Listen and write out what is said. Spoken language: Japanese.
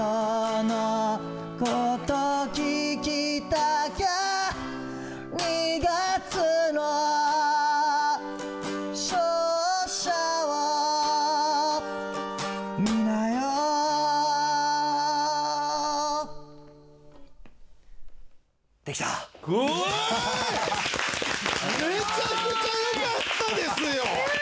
めちゃくちゃよかったですよ！